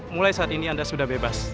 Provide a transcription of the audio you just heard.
mulai saat ini anda sudah bebas